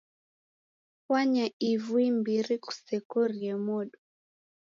Pwanya ivu imbiri kusekorie modo.